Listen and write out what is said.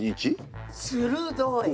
鋭い。